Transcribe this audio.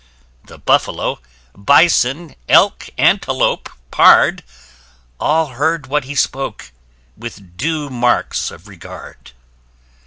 The Buffalo, Bison, Elk, Antelope, Pard, All heard what he spoke, with due marks of regard.